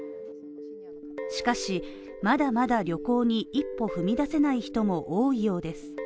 しかし、まだまだ旅行に一歩踏み出せない人も多いようです。